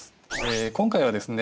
今回はですね